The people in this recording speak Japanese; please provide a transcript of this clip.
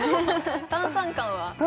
炭酸感は？